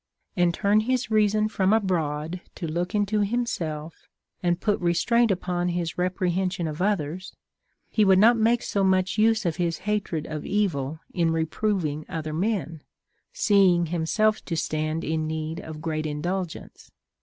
and turn his reason from abroad to look into himself, and put restraint upon his reprehension of others, he would not 58 CONCERNING THE CURE OF ANGER. make so much use of his hatred of evil in reprovii.g other men, seeing himself to stand in need of great indulgence.